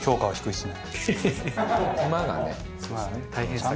はい。